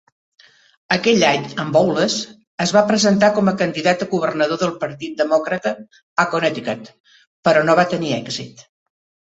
Aquell any en Bowles es va presentar com a candidat a governador del partit Demòcrata a Connecticut, però no va tenir èxit.